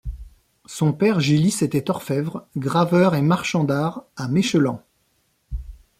Son père Gillis était orfèvre, graveur et marchand d'art à Mechelen.